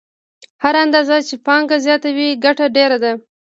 هره اندازه چې پانګه زیاته وي ګټه ډېره ده